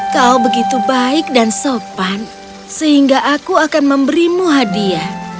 kau begitu baik dan sopan sehingga aku akan memberimu hadiah